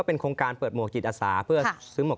สนุนโดยอีซุสุข